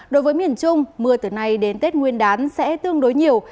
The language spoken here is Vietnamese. đối với miền trung mưa từ nay đến tết nguyên đán sẽ tương đối nhiều